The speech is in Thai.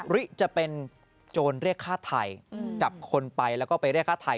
ริจะเป็นโจรเรียกฆ่าไทยจับคนไปแล้วก็ไปเรียกฆ่าไทย